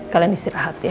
kalian istirahat ya